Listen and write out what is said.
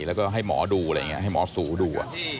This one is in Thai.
แล้วก็ให้หมอดูให้หมอสูดู